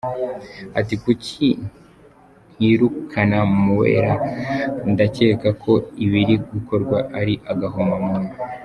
Ati “Kuki ntirukana Mueller? Ndakeka ko ibiri gukorwa ari agahomamunwa.